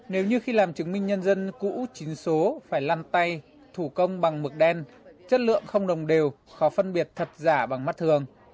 nếu như khi làm chứng minh nhân dân cũ chính số phải lăn tay thủ công bằng mực đen chất lượng không đồng đều khó phân biệt thật giả bằng mắt thường